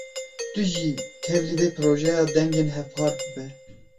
Tu jî tevlî vê projeya dengên hevpar bibe.